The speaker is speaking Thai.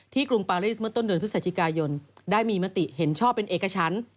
กรุงปาลิสเมื่อต้นเดือนพฤศจิกายนได้มีมติเห็นชอบเป็นเอกชั้น